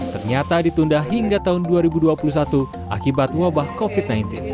ternyata ditunda hingga tahun dua ribu dua puluh satu akibat wabah covid sembilan belas